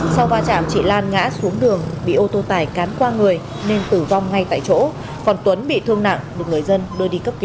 sau va chạm chị lan ngã xuống đường bị ô tô tải cán qua người nên tử vong ngay tại chỗ còn tuấn bị thương nặng được người dân đưa đi cấp cứu